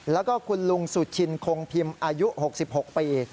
แล้วก็คุณลุงสุชินคงพิมพ์อายุ๖๖ปี